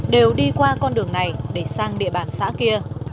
đều đi qua con đường này để sang địa bàn xã kia